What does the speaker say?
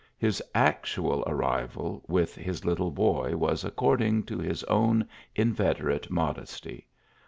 His actual arrival with his little boy was according to his own inveterate modesty.